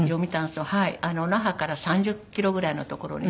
那覇から３０キロぐらいの所に。